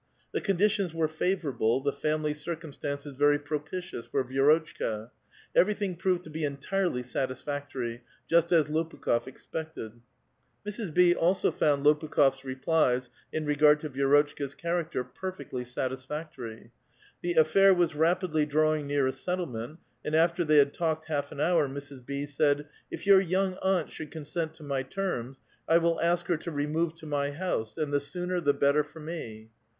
The conditions were favorable, the family circumstances very propitious for Vi^rotchka. Every thing proved to be entirely satisfactory, just as Lopiikh6f expected. Mrs. B. also found Lopukh6f*s replies in regard to Vi^rotchka's character perfectly satisfactory. The affair was rapidly drawing near a settlement, and after they had talked half an hour, Mrs. B. said, '* If your young aunt should consent to my terms, I will ask her to remove to my house, and the sooner, the better for me."